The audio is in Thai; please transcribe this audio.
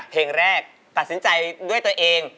เพลงแรกตัดสินใจด้วยตัวเอง